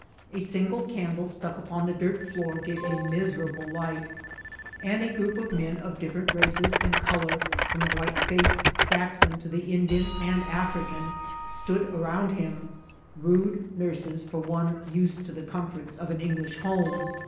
A single candle stuck upon the dirt floor gave a miserable light, and a group of men of different races and colour, from the A ORATE IN A rORBION LAND. 89 white faced Saxon to the Indian and African, stood round him : rude nurses for one used to the comforts of an English home.